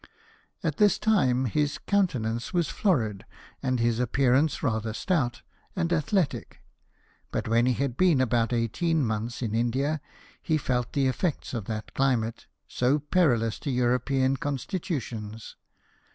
At this time his countenance was florid, and his appearance rather stout and athletic, but when he had been about eighteen months in India he felt the effects of that climate, so perilous to European constitutions.